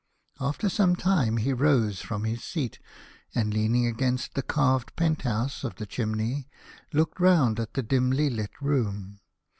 After some time he rose from his seat, and leaning against the carved penthouse of the chimney, looked round at the dimly lit room.